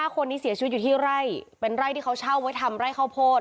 คนนี้เสียชีวิตอยู่ที่ไร่เป็นไร่ที่เขาเช่าไว้ทำไร่ข้าวโพด